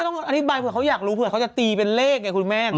ต้องอธิบายเผื่อเขาอยากรู้เผื่อเขาจะตีเป็นเลขไงคุณแม่